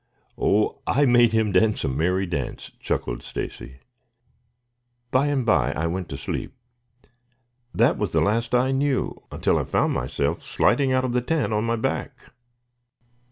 Oh, I made him dance a merry dance," chuckled Stacy. "By and by I went to sleep. That was the last I knew until I found myself sliding out of the tent on my back."